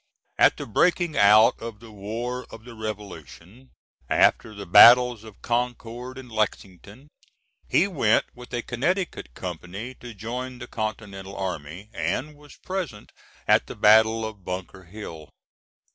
At the breaking out of the war of the Revolution, after the battles of Concord and Lexington, he went with a Connecticut company to join the Continental army, and was present at the battle of Bunker Hill.